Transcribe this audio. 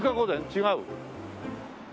違う？